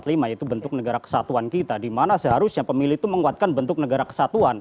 yaitu bentuk negara kesatuan kita di mana seharusnya pemilih itu menguatkan bentuk negara kesatuan